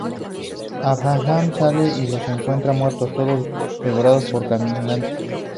Abraham sale y los encuentra muertos, todos devorados por caminantes.